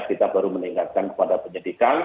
kita baru meningkatkan kepada penyidikan